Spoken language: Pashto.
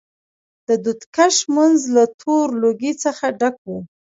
د دود کش منځ له تور لوګي څخه ډک و.